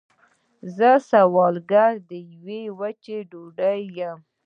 زه سوالګره د یوې وچې ډوډۍ یم